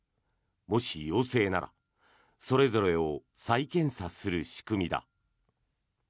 もし陽性ならそれぞれを再検査する仕組みだ。